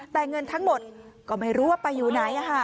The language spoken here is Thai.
แต่เงินทั้งหมดก็ไม่รู้ว่าไปอยู่ไหน